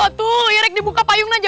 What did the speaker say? aduh irek dibuka payungnya aja